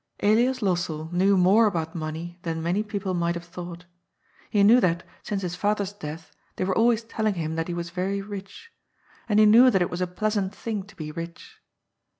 Elias Lossell knew more about money than many people might have thought He knew that, since his father's COMPOS MENTIS. 141 death, they were always telling him that he was very rich. And he knew that it was a pleasant thing to be rich.